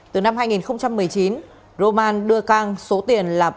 từ năm hai nghìn một mươi chín roman đưa cang số tiền là